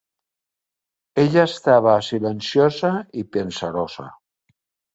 Ella estava silenciosa i pensarosa.